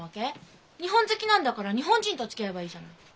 日本好きなんだから日本人とつきあえばいいじゃない。